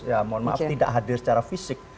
ya mohon maaf tidak hadir secara fisik